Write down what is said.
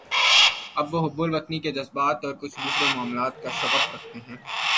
اب وہ حب الوطنی کے جذبات اور کچھ دوسرے معاملات کا شغف رکھتے ہیں۔